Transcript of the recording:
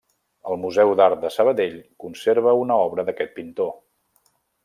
El Museu d’Art de Sabadell conserva una obra d’aquest pintor.